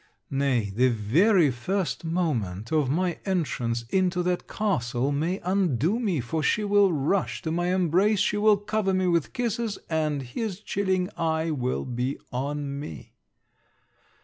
Nay, the very first moment of my entrance into that castle may undo me, for she will rush to my embrace, she will cover me with kisses, and his chilling eye will be on me.